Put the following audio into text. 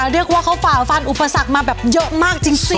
เรียกว่าเขาฝ่าฟันอุปสรรคมาแบบเยอะมากจริง